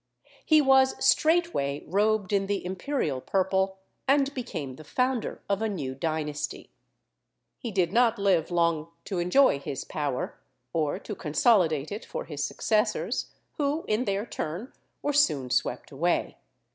He was straightway robed in the imperial purple, and became the founder of a new dynasty. He did not live long to enjoy his power, or to consolidate it for his successors, who, in their turn, were soon swept away.